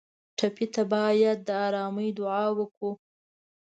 ټپي ته باید د ارامۍ دعا وکړو.